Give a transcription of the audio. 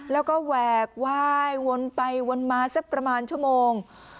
แล้วก็แหวกไหว้วนไปวนมาสักประมาณชั่วโมง